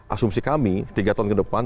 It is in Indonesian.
asumsi kami tiga tahun ke depan